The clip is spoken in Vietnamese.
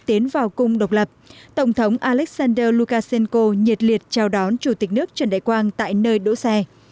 tiến vào cung độc lập tổng thống alexander lukashenko nhiệt liệt chào đón chủ tịch nước trần đại quang tại nơi đỗ xe